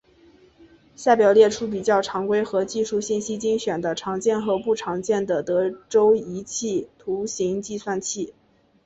下表列出比较常规和技术信息精选的常见和不常见的德州仪器图形计算器。